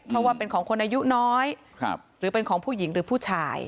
เพราะว่าเป็นของคนอายุน้อยหรือเป็นของผู้หญิงหรือผู้ชาย